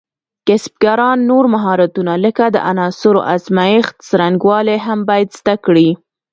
کسبګران نور مهارتونه لکه د عناصرو ازمېښت څرنګوالي هم باید زده کړي.